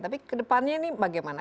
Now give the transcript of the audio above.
tapi kedepannya ini bagaimana